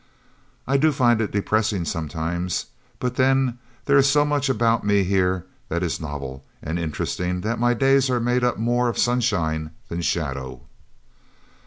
"I do find it depressing sometimes, but then there is so much about me here that is novel and interesting that my days are made up more of sunshine than shadow."